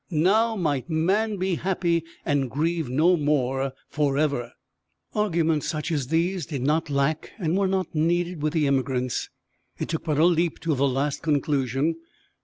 Now might man be happy and grieve no more forever! Arguments such as these did not lack and were not needed with the emigrants. It took but a leap to the last conclusion.